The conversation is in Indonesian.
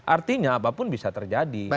artinya apapun bisa terjadi